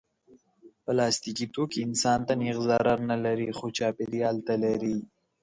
پلاستيکي توکي انسان ته نېغ ضرر نه لري، خو چاپېریال ته لري.